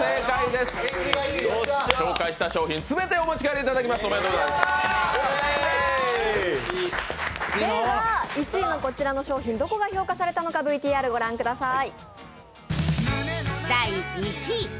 では１位のこちらの商品、どこが評価されたのか、こちらをご覧下さい。